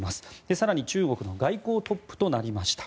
更に中国の外交トップとなりました。